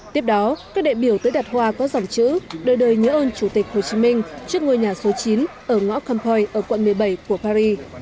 tiếp đó các đại biểu tới đặt hoa có dòng chữ đời đời nhớ ơn chủ tịch hồ chí minh trước ngôi nhà số chín ở ngõ campoy ở quận một mươi bảy của paris